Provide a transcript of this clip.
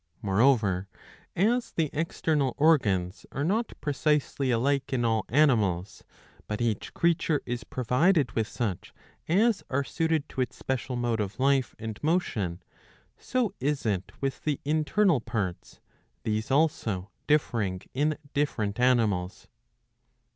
Moreover, as the external organs are not precisely alike in all animals, but each creature is provided with such as are suited to its special mode of life and motion, so is it with the internal parts, these also differing in different animals.